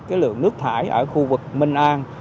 cái lượng nước thải ở khu vực minh an